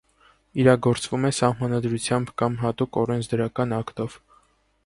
Իրագործվում է սահմանադրությամբ կամ հատուկ օրենսդրական ակտով։